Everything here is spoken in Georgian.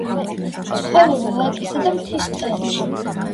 ცხოვრობა ვაკისა და მთის ტყეებში.